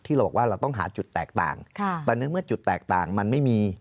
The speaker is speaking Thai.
เราบอกว่าเราต้องหาจุดแตกต่างแต่ในเมื่อจุดแตกต่างมันไม่มี